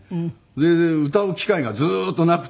それで歌う機会がずっとなくて。